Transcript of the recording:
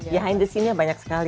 behind the scene nya banyak sekali